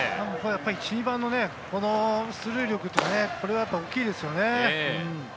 やっぱり１・２番の出塁率が大きいですよね。